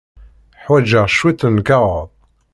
Ḥwajeɣ cwiṭ n lkaɣeḍ.